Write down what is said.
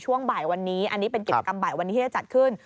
ช่วงบ่ายวันนี้อันนี้เป็นกิจกรรมบ่ายวันนี้ที่จะจัดขึ้น